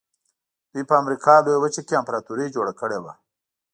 دوی په امریکا لویه وچه کې امپراتوري جوړه کړې وه.